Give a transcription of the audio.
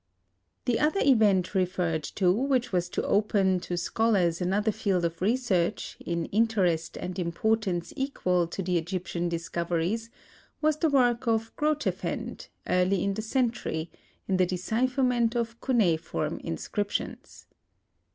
THE other event referred to, which was to open to scholars another field of research, in interest and importance equal to the Egyptian discoveries, was the work of Grotefend, early in the century, in the decipherment of cuneiform inscriptions.